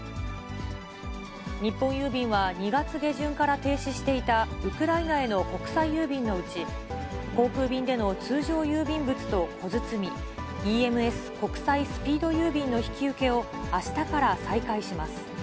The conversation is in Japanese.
日本郵便は、２月下旬から停止していたウクライナへの国際郵便のうち、航空便での通常郵便物と小包、ＥＭＳ・国際スピード郵便の引き受けを、あしたから再開します。